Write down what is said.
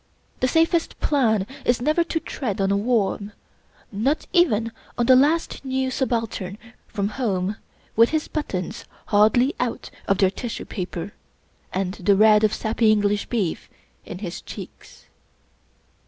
The safest plan is never to tread on a worm — not even on the last new subaltern from Home, with his buttons hardly out of their tissue paper, and the red of sappy English beef in his cheeks.